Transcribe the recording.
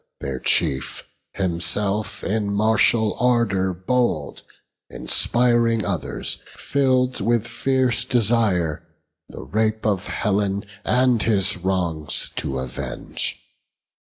Their chief, himself in martial ardour bold, Inspiring others, fill'd with fierce desire The rape of Helen and his wrongs to avenge.